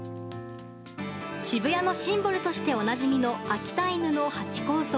渋谷のシンボルとしておなじみの秋田犬のハチ公像。